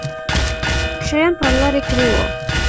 شیان پر لار کړي وو.